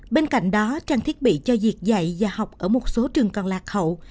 bên cạnh đó trang thiết bị cho việc dạy và học ở một số trường còn lạc hậu